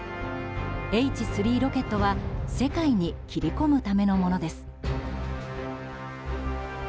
Ｈ３ロケットは世界に切り込むためのものです。